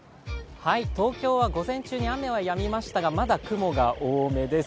東京は午前中に雨はやみましたがまだ雲が多めです。